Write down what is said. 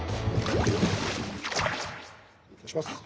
失礼します。